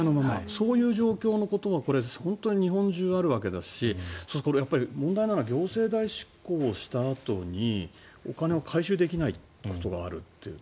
そういう状況のことが日本中あるわけだしやっぱり、問題なのは行政代執行をしたあとにお金を回収できないことがあるという。